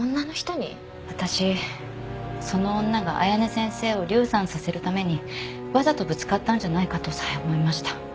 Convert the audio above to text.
私その女が綾音先生を流産させるためにわざとぶつかったんじゃないかとさえ思いました。